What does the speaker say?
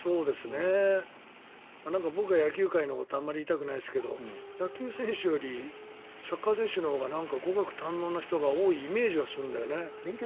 なんか僕が野球界のことあまり言いたくないですけど野球選手よりサッカー選手のほうが語学が堪能な人が多いイメージはするんだよね。